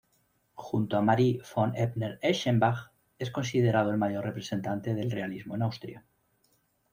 Junto a Marie von Ebner-Eschenbach es considerado el mayor representante del realismo en Austria.